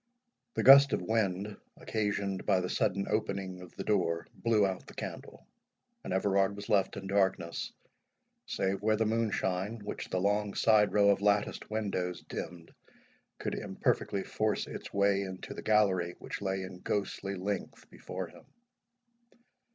The gust of wind, occasioned by the sudden opening of the door, blew out the candle, and Everard was left in darkness, save where the moonshine, which the long side row of latticed windows dimmed, could imperfectly force its way into the gallery, which lay in ghostly length before him.